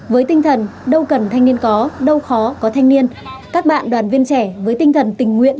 với tinh thần đâu cần thanh niên có đâu khó có thanh niên các bạn đoàn viên trẻ với tinh thần tình nguyện